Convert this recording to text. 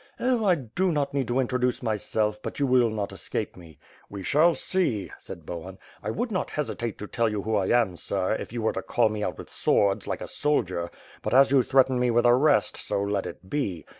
"Oh, I do not need to introduce myself; but you will not escape me." "We shall see," said Bohun. "I would not hesitate to tell you who I am, sir, if you were to call me out with swords, like a soldier; but as you threaten me with arrest, so let it be.